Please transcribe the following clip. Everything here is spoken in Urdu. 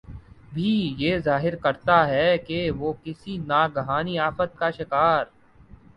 بھی یہ ظاہر کرتا ہے کہ وہ کسی ناگہانی آفت کا شکار